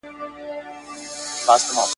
سم پر مځکه ولوېدی ژړ لکه نل سو !.